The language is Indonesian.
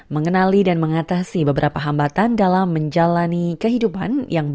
mengenali dan mengatasi beberapa hambatan dalam menjalani kehidupan yang